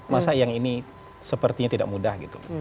masa yang ini sepertinya tidak mudah gitu